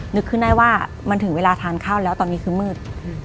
นึกขึ้นได้ว่ามันถึงเวลาทานข้าวแล้วตอนนี้คือมืด